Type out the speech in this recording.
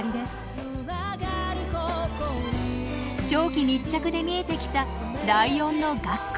長期密着で見えてきたライオンの学校。